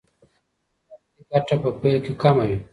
تجارتي ګټه په پیل کې کمه وي.